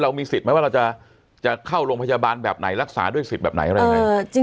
มีสิทธิ์ไหมว่าเราจะเข้าโรงพยาบาลแบบไหนรักษาด้วยสิทธิ์แบบไหนอะไรยังไง